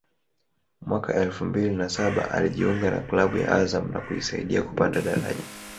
mwaka elfu mbili na saba alijiunga na klabu ya Azam na kuisaidia kupanda daraja